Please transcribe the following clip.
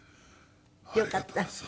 よかった。